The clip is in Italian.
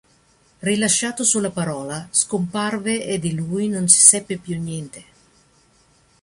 Rilasciato sulla parola, scomparve e di lui non si seppe più niente.